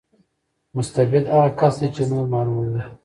مستبد هغه کس دی چې نور محروموي.